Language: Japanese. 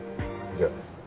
じゃあ。